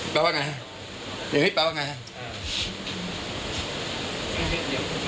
แปลว่าไงฮะอย่าให้แปลว่าไงฮะ